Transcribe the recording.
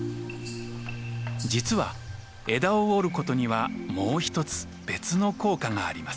実は枝を折ることにはもうひとつ別の効果があります。